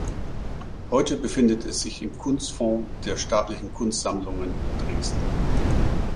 Heute befindet es sich im Kunstfonds der Staatlichen Kunstsammlungen Dresden.